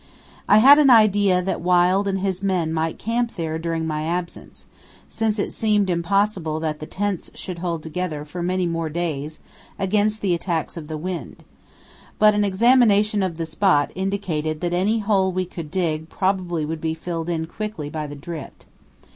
I had an idea that Wild and his men might camp there during my absence, since it seemed impossible that the tents could hold together for many more days against the attacks of the wind; but an examination of the spot indicated that any hole we could dig probably would be filled quickly by the drift.